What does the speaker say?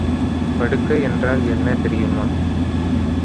படுக்கை என்றால் என்ன தெரியுமா?